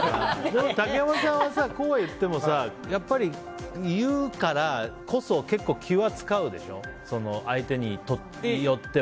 竹山さんはこうは言ってもやっぱり言うからこそ結構気は使うでしょ相手によっては。